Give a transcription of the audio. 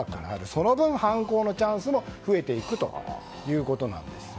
その分、犯行のチャンスも増えていくということなんです。